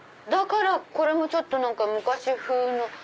だからこれもちょっと昔風の。